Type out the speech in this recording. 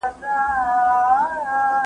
ګڼ خلګ به اوږد ډنډ ړنګ نه کړي.